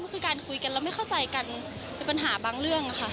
ก็คือการคุยกันเราไม่เข้าใจกันเป็นปัญหาบางเรื่องค่ะ